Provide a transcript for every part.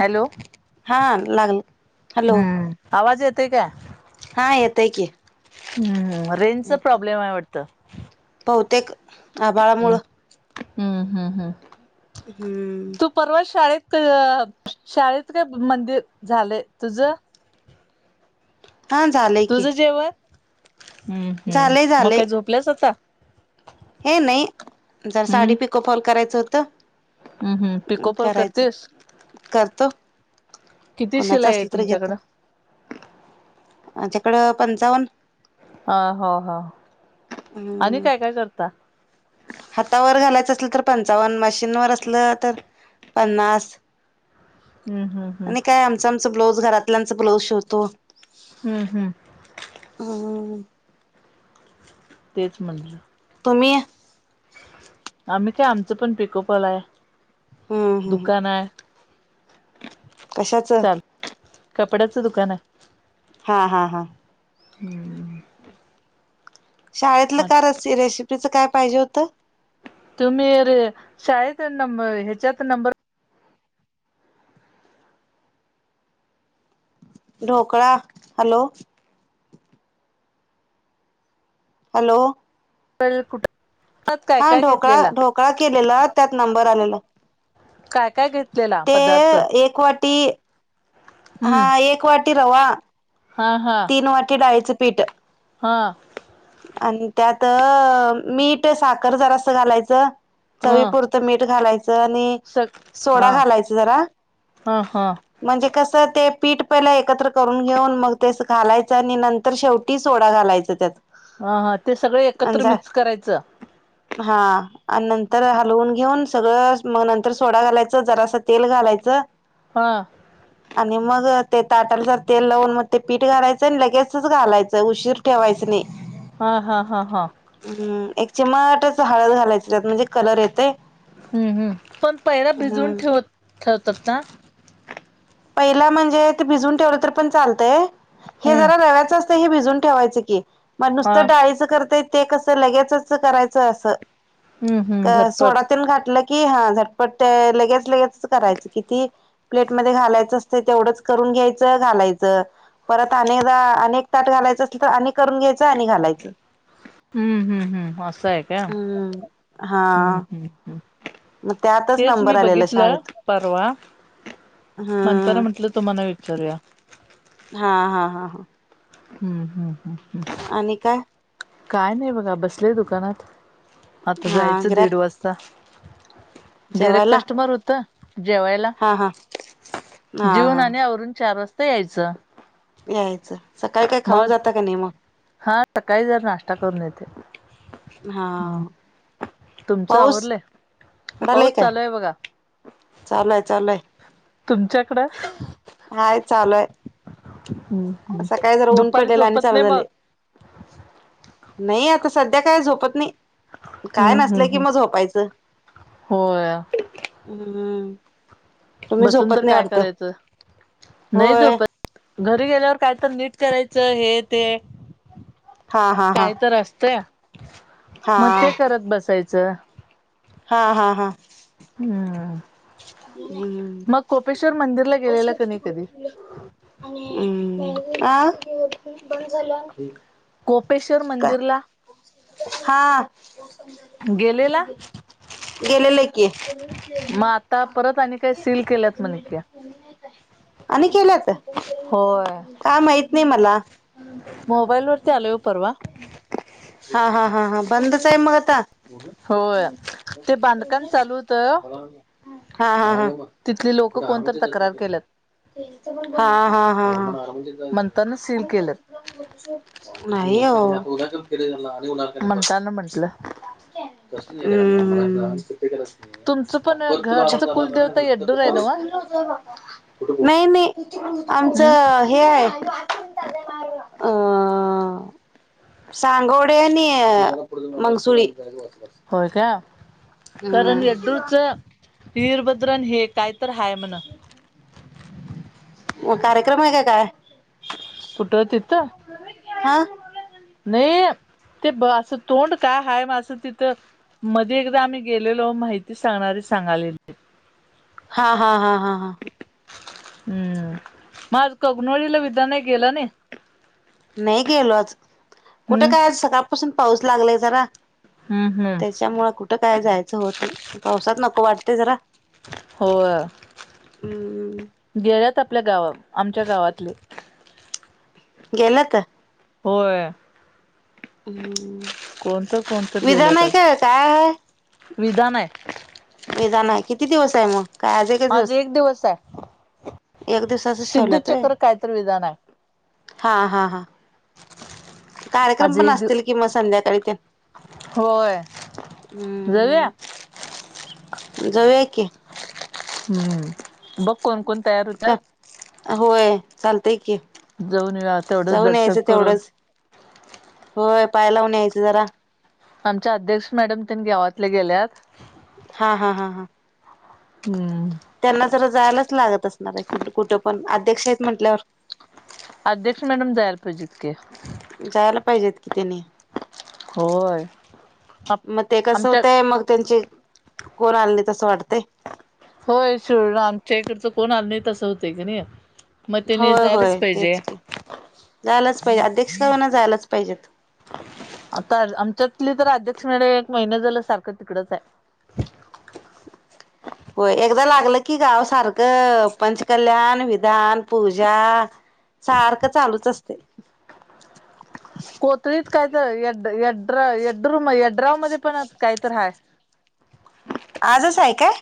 Hello हा लागल hello हम्म आवाज येतोय काय?? हा येतोय की हम् रेंजचा येतय प्रॉब्लेम आहे वाटतं बहुतेक हम्म आभाळामुळं हम्म हम्म हम्म हम्म तू परवा शाळेत शाळेत काय मंदिर झालेय तुझं हां झालंय की तुझं जेवण? हम्म हम्म झालंय म झालंय काय झोपल्यास आता हे नाही जर साडी हम्म पिकअप फॉल करायचं हम्म हम्म होतं, पिको फॉल करायचं. करतेस? करतो. किती कोणाच शिलाई आहे असल तर घेतो तुमच्याकडं? माझ्या कढ पंचावन्न. ह हा हा आणि हम्म काय काय करता हातावर घालायचं असलं तर पंचावन्न मशीनवर असलं तर पन्नास. हम्म हम्म हम्म आणि काय आमचं आमचं ब्लाऊज घरातल्यांच ब्लाऊज शोवतो हम्म हम् हम्म तेच म्हटलं तुम्ही आम्ही काय आमचं पण पिको फॉल हाय हम्म हम ह कशाचं चाल कपड्याचं दुकान आहे हा हा हा हम्म शाळेतलं का रस रेसिपीच काय पाहिजे होतं तुम्ही रे शाळेत नंम ह्याच्यात नंबर ढोकळा हॅलो हॅलो व कुठ हा ढोकळा ढोकळा केलेला त्यात नंबर आलेला काय काय घेतलेला ते पदार्थ एक वाटी हम्म हा एक वाट टी रवा हा हा तीन वाटी डाळीचं पीठ हा आणि त्यात मीठ साखर जरा अस घालायचं ह चवीपरतं तर मीठ घालायचं आणि स सोडा हा घालायच जरा हा हा म्हणजे कसं ते पीठ पहिलं एकत्र करून घेऊन मग तेस घालायचं आणि नंतर तर शेवटी सोडा घालायचं त्यात ह हा ते सगळे आणि एकत्र झा मिक्स करायचं हा आणि नंतर हलवून घेऊन सगळं मग नंतर सोडा घालायचं जरासं तेल घालायचं हां आणि मग ते ताटालच तेल लावून मग ते पीठ घालायचंय आणि लगेच घालायचं उशीर ठेवायचं नाही हा हा हा हा हम्म एक चिमटच हळद घालायच त्यात म्हणजे कलर येतय हम्म हम् पण पैरा भिजवून हम्म ठेवत ठेवतात ना पहिला म्हणजे ते भिजून ठेवलं तर पण चालतंय हे हम्म जरा रव्याच हे भिजून ठेवायचं की मग नुसत हा डाळीचं करताय ते कसं लगेच करायचं असं हम्म हम्म अ झटपट सोडातील घटलं कि हा झटपट ते लगेच लगेचच करायच किती प्लेटमध्येध्ये घालायच तेवढंच करून घ्यायचं घालायचं परत अनेकदा अनेक ताट घालायचं असल तर अनेक करून घ्यायचं आणि घालायचं हम्म हम्म हम्म असं आहे का हम्म हम्म हम्म मग त्यातच तेच नंबर मी आलेला बघितलं परवा हं तर म्हटलं तुम्हाला विचारूया. हा हा हा हा हम्म, हम्म, हम्, हम् आणि काय? काय नाही बघा, बसलेय दुकानात, आता हा जायचं दीड गिराक वाजता. गैरेक जेवायला कस्टमर होत,, जेवायला,, हा हा हा जेऊन हा आणि आवरून चार वाजताऽ ते यायचं. यायचं, सकाळी काय खाऊन मग जाता का ने मग? हा, सकाळी जरा नाश्ता करून येतोय. हां, तुमचं आवरलंय,, पाऊस चालू आहे बघा. चालूय, चालूय, तुमच्याकडं,, हाय चालूय हम् सकाळी जरा ऊन पडलेला आणि चांल झाले नाही आता सध्या काय झोपत नाही काय हम्म हम्म नसलं कि हम्म मग झोपायचं होय हम्म तुम्ही बसून झोपत तर नाही काय वाटत करायचं,, नाही होय झोपतऽ घरी गेल्यावर काय तर नीट करायचं, हे तेऽ हा हा हा काय तर असतय,, मग हा ते करत बसायचं. हा, हा, हा हम्, हम्म, मग कोपेश्वर मंदिरला गेलेला का णै कधी? आणि बंद झालं. कोोपेश्वर मंदिरला. हां, गेलेला गेलेलं कि. त्या परत आणि काही सील केल्यात मणे कि,, आणि केल्यात,,, होय काय माहित नाही मला. मोबाईल वरती आलय हो परवा,, हा, हा, हा हा बंदच आहे मग आता? होय,, ते बांधकाम चालू होत. हा, हा, हा तिथली लोकं कोणतर तक्रार केल्यात. हा, हा, हा हा म्हणताना सील केल्यात नाही अहो,, उनख फडे झाला आणि उन्हा म्हणताना म्हंटलं बऽ अमममम, तुमचं पणऽ करत झालाऽ नाही मी,, हम्म आमचऽ हेय,,, आय अंऽ सांगोवडे आणि मंगसुळी. होय का? कारण येड्डूरचज्ञभ्यऽ वीरभद्रन हे, काय तर हाय म्हण, कार्यक्रम आहे का काय? कुठं तिथं? हां, नाही,, ते ब असं तोंड काय हाय मां तिथंऽ मध्ये एकदा आम्ही गेलेलो माहिती सांगणारी सांगालेली हा हा हा हा हा हम्म म आज कगनोळीला विधानाय गेला नाही नाही गेलो आज कुठ हम्म काय आ सकाळपासून पाऊस लागलाय जरा हम्म हम्म त्यांच्यामुळ कुठं काय जायचं होत नाही पावसात नको वाटतय जरा हो हम्म गेल्यात आपल्या गाव आमच्या गावातले गेल्यात होय हम् कोणत कोणत गेल्यात विधानाय आज काय काय हाय विधान हाय विधान हाय किती दिवस आहे मग काय आज एकच दिवस एक दिवसाचच सिद्ध ठेवल्यात होय चक्र कायतर विधान आहे हा हा हा कार्यक्रम आज पण एक दिव असतील किं म संध्याकाळी ते न होय [inaudible] हम् जाऊया जाऊया की. हम्म बघ कोण कोण तयार का होत्यात. होय चालतय की. जाऊन येऊया तेवढंच जाऊन दर्शन यायचं करून तेवढंच होय पाय लावून यायचं जरा आमच्या अध्यक्ष मॅडम तेन गावातल्या गेल्यात हा हा हा हा हम्म त्यांना जरा जायलाच लागत असणार आहे कुठ कुठं पण अध्यक्ष आहेत म्हटल्यावर अध्यक्ष मॅडम जायाला पाहिजेत की जायला पाहिजेत कि तेनी होय म ते कस आमच्या होतंय मग त्यांची कोण आली नहीत असं वाटतय होय शिरोळला आमच्या इकडच कोण आलं नाही तसं होतय की नई होय होय तेच की जायलाच पाहिजे अध्यक्ष का होईना जायलाच पाहिजेत आता आमच्यातली तर अध्यक्ष मॅडम एक महिना झालं सारखं तिकडच हाय होय एकदा लागलं की गाव सारखं पंचकल्याण विधान पूजा सारखंच चालूच असतय कोथळीत कायत यड यड्रा येड्रूर यड्राव मध्ये पण काहीतर हाय आजच हाय काय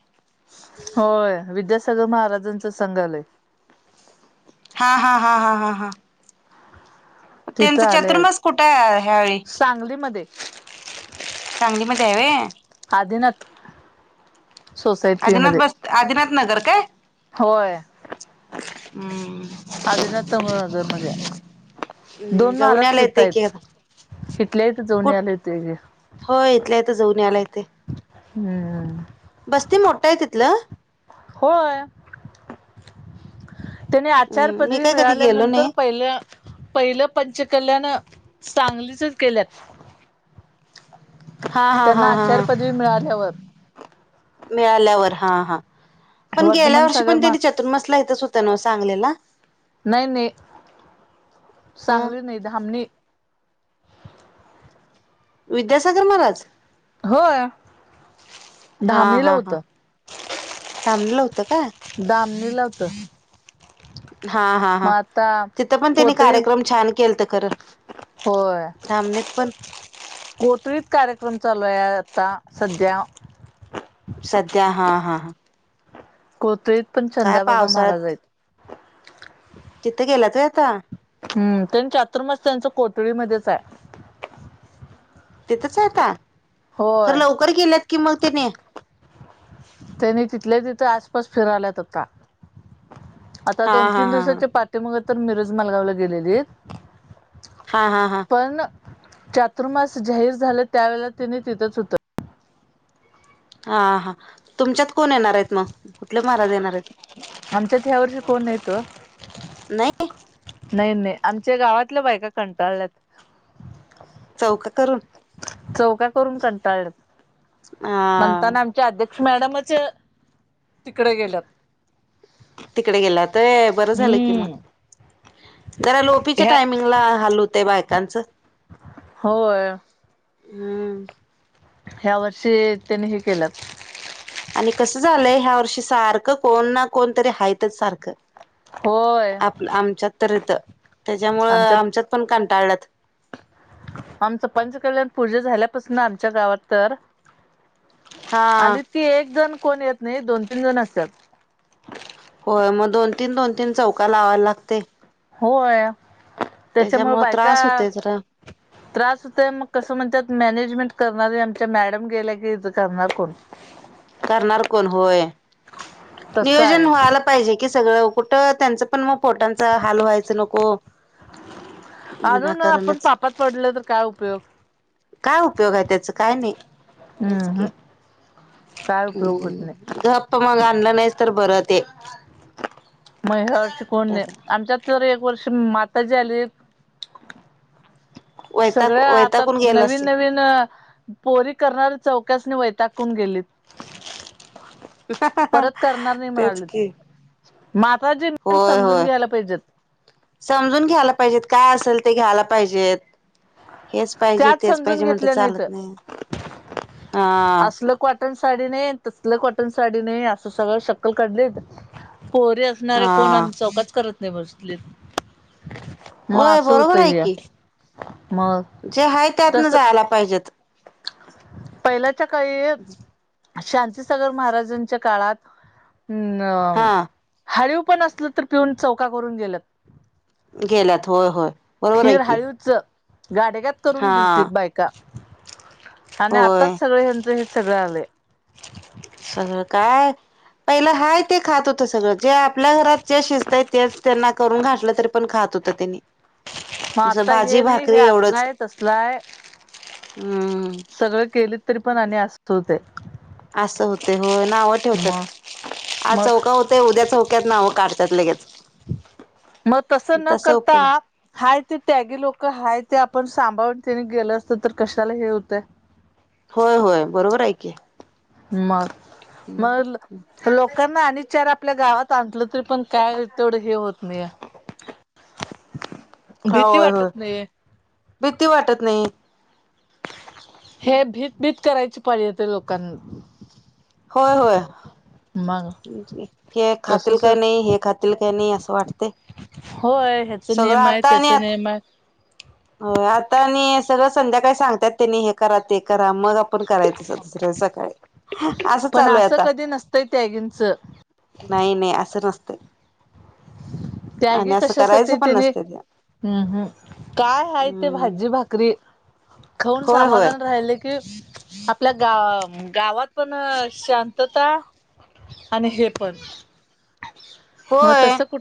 होय विद्यासागर महाराजांच संघ आलय हा हा हा हा हा हा त्यांच तिथं आलय चतुर्मास कुठाय ह्यावेळी सांगलीमध्ये सांगलीमध्ये हाय व्हय आदिनाथ सोसायटी आदिनाथ मध्ये बस आदिनाथ नगर काय? होय हम्म आदिनाथ तमगरमध्ये हाय हम्म दोन जाऊन महाराज यायला येतंय की तिथायत आता. हितल्या हित जाऊन कुठ यायला येतय घे होय इथल्या इथं जाऊन याला येतय हम् बस्ती मोठाय तिथलं होय त्यांनी आचार्य हम्म मी पदवी काय कधी गेलो मिळाल्यानंतर नाही. पहिल्या - - पहिलं पंचकल्याण सांगलीचच केल्यात हा हा हा त्यांना आचार ह पदवी मिळाल्यावर मिळाल्यावर हा हा पण गेल्या वर्धमान वर्षी सागर पण मा त्यांनी चतुर्मसला इथंच होत न्हव सांगलीला. नई नई हं सांगली नई धामणी विद्यासागर महाराज, होय. हा धामणीला हा हा होतं थांबलं होतं. काय? दाम नि लावत. हा हा हा आता तिथं पण त्यांनी कोथळी कार्यक्रम छान केल तर खरं होय. धामणीत पण कोतरीत कार्यक्रम चालूया आता सध्या सध्या हा हा ह कोतळीत पण चंदाबाबा महाराज पावसाळ्यात आहेत. तिथं गेलाच व्हय आता. हम्, त्यां चातुर्माश त्यांच कोथळीमध्येच आहे. तेथच आहे आता, तर होय लवकर गेल्यात कि मग त्याने त्यांनी तिथल्या तिथे आसपास फिराल्यात येतात का, आता हा दोन हा तीन हा हा दिवसाच्या पा ते मग तर मिरज मालगावला गेलेली आहेत. हा हा हा पण चातुर्मास जाहीर झालं त्यावेेळे तिने तिथच होत. हा हा तुमच्यात कोण येणार आहेत मग कुठले महाराज येणार आहेत. आमच्यात ह्या वर्षी कोण येतो? नाही नाही नाही आमच्या गावातल्या बायका कंटाळल्यात चौक तरून चौका करून कंटाळ येतो. हा म्हणताना आम अध्यक्ष मॅडमच तिकडे गेल्यात. तिकडे गेल्यात व्हय, बरं झालं कि मग हम्म जरा लोपीच्या ह्या टायमिंगला हाल होते बायकांचं, होय. हम. ह्या वर्षी त्यानी हे केलं आणि कसं झालंय ह्या वर्षी सारखं कोण ना कोण तरी हयितच सारखं, होय. आप आमच्यात तर इथं त्याच्यामुळं आमच्यात पण कंटाळल्यात. आमचं पंचकल्याण पूजा झाल्यापासून आमच्या गावात तर हा आलीत की एक जण कोण येत नाही दोन तीन जण असतात. होय, मग दोन तीन दोन तीन चौका लावायला लागते. होय, त्याच्यामुळे बायका त्रास होते जरा त्रास होतय मग कसं म्हणतत मॅनेजमेंट करणार आमच्या मॅडम गेला की इथ करणार कोण? करणार कोण होय, तसं नियोजन आहे व्हाला पाहिजे की सगळं कुठं त्यांचं पण मग पोटांचा हाल व्हायचं नको, अजून ना आपण विनाकारणच पापात पडल तर काय उपयोग. काय उपयोग आहे त्याच काय नाही हम्म काय उपयोग होत नाही हम्म, गप्प मग आणलं नाहीच तर बरं ते ते म ह्या वर्ष कोण देणार आमच्यात तर एक वर्ष माता जी आली वैताग सगळ्या आता वैतागून गेलं नवीन असेल नवीन पोरी करणार चौकस वैताकून गेली. परत करणार नाही तेच म्हणाले, की माताजी होय समजून होय घ्यायला पाहिजेत. समजून घ्यायला पाहिजेत काय असेल ते घ्यायला पाहिजेत हेच पाहिजे त्याच तेच समजून पाहिजे म्हणत घेतल्या चालत नाहीत नाही. हा असलं क [unintelligible] कॉटन साडी नाही तसल कॉटन साडी नाही असं सगळं शक्कल काढलेत पोर अस असणारे कोण हा आम्ही चौकाच करत नाही बसले, म होय असं बरोबर होत आहे या, की मग जे हय त्यातनं तस जायला पाहिजेत. पहिल्याच्या काही. शांतीसागर महाराजांच्या काळात अ् हा हळव पण असलं तर पिऊन चौका करून गेलंत. गेल्यात होय होय. बरोबर आहे खीर की हाळवच गाडगात करून हा दिलती बायका. आणि होय आत्ताच सगळे ह्यांचं हे सगळं आले. सगळं काय पहिलं हाय ते खात होत सगळं जे आपल्या घरात ज शिजताय त्याच त्यांना करून घातलं तरी पण खात होत त्यांनी. मग जसं आता भाजी हे नाही हे भाकरी एवढंच असलंय त असलाय. हम्म सगळं केलीत तरी पण अ असत होते. असं होते हो नाव ठेवतत आ मग चौका होत उद्या चौक. त ना काढत लगेच. मग तसं न तसा करता उपयोग हाय ते त्यागी लोक हाय ते आपण सांभाळून त्यांने गेलं असतं तर कशाला हे होतय. [inaudible] होय होय बरोबर आहेऐक. मग मग लोकांना आणि, विचार आपल्या गावात आणलं तरी पण काय तेवढं हे होत नाही. [inaudible] होय होय वाटत नाही. भीती वाटत नाही. हे भीत भीत करायची पडली ते लोकांना. होय होय.. मग हे खातील तसच काय नाही हे खातील काय नाही असं वाटते. होय ह्याचा सगळं नियम आहे त्याचा नियम आहे. हो आता आणि सगळं संध्याकाळी सांगतयात त्यांनी हे करा ते करा मग पण करायचंच दुसरं सकाळी असं चालू आहे आता. त त्यागेनचं. नाही नाही असं नसत आणि त्यागी असं करायचं कशासाठी पण त्यानी नसत ते. हम्म हम् काय ह ते हम्म भाजी भाकरी. खाऊन होय होय समाधान राहिले की. आपल्या गाव गावात पण शांतता आणि हे पण, मग होय. तस कुठ,